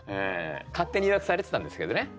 勝手に誘惑されてたんですけどね。